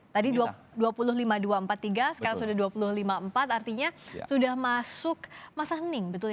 tadi dua puluh lima dua empat puluh tiga sekarang sudah dua puluh lima empat artinya sudah masuk masa hening